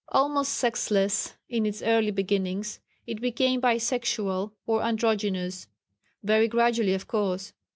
"Almost sexless, in its early beginnings, it became bisexual or androgynous; very gradually, of course.